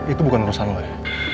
itu bukan urusan lo ya